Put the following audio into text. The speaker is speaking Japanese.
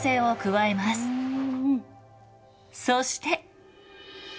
そして。